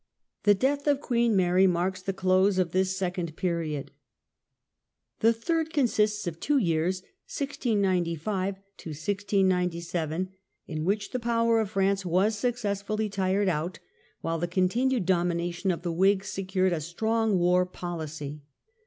The death of Queen Mary marks the close of this second period. The third consists of two years (1695 1697) in which the power of France was successfully tired out, while the con tinued domination of the Whigs secured a strong war policy.